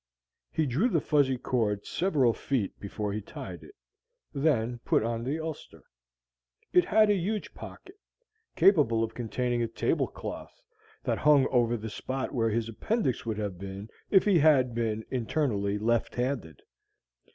He drew the fuzzy cord several feet before he tied it, then put on the ulster. It had a huge pocket, capable of containing a tablecloth, that hung over the spot where his appendix would have been if he had been internally left handed.